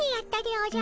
おじゃ。